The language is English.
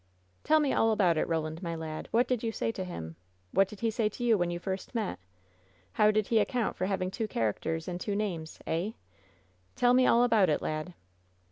"Tell me all about it, Roland, my lad. What did you say to him? What did he say to you when you first met? How did he account for having two characters and two names, eh? Tell me all about it, lad."